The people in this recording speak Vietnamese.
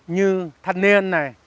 như thân niên này